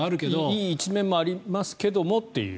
いい一面もありますけどもという。